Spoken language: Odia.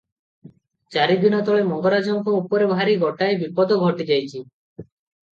ଚାରିଦିନ ତଳେ ମଙ୍ଗରାଜଙ୍କ ଉପରେ ଭାରି ଗୋଟାଏ ବିପଦ ଘଟିଯାଇଛି ।